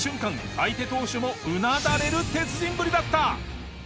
相手投手もうなだれる鉄人ぶりだった。